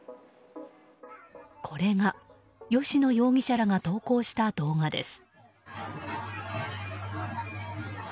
これが、吉野容疑者らが投稿した動画です。